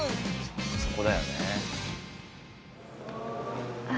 そこだよね。